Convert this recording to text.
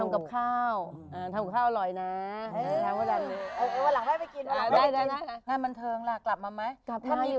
ขอความไม่ตายจากพี่เอ่อ